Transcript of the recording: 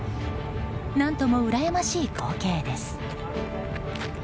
何とも羨ましい光景です。